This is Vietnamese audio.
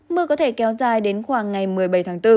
mưa có thể kéo dài đến khoảng ngày một mươi bảy tháng bốn